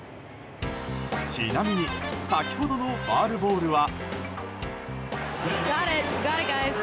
ちなみに先ほどのファウルボールは。